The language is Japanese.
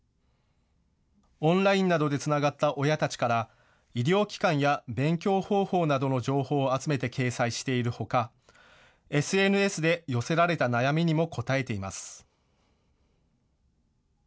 オンラインなどでつながった親たちから医療機関や勉強方法などの情報を集めて掲載しているほかＳＮＳで寄せられた悩みにも答えています。